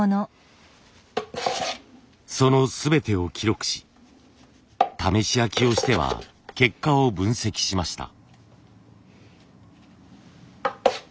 その全てを記録し試し焼きをしては結果を分析しました。